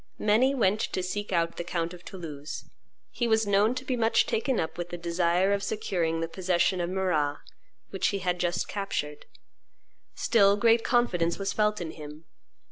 Many went to seek out the count of Toulouse. He was known to be much taken up with the desire of securing the possession of Marrah, which he had just captured; still great confidence was felt in him.